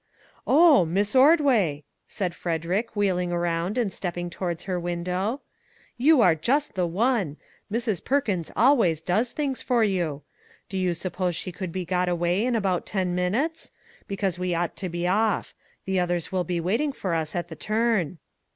" Oh, Miss Ordway !" said Frederick, wheel 202 WHITE DRESSES ing around and stepping towards her window, "you are just the one; Mrs. Perkins always does things for you. Do you suppose she could be got ready in about ten minutes ? because we ought to be off. The others will be waiting for us at the turn."